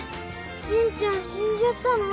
信ちゃん死んじゃったの？